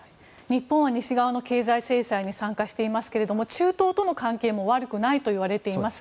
日本は西側の経済制裁に参加していますけれども中東との関係も悪くないといわれています。